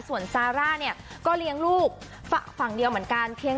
ส่วนซาร่าเนี่ยก็เลี้ยงลูกฝั่งเดียวเหมือนกันเพียง